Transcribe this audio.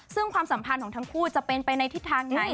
ซึ่งความสัมพันธ์ของทั้งคู่จะเป็นไปในทิศทางไหน